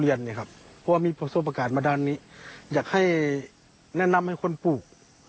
เนี่ยครับพวกมี่พวกพวกประการมาด้านนี้อย่างให้แนะนำให้คนปลูก